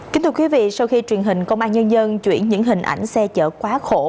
kính thưa quý vị sau khi truyền hình công an nhân dân chuyển những hình ảnh xe chở quá khổ